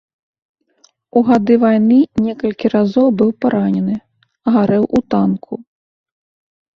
У гады вайны некалькі разоў быў паранены, гарэў у танку.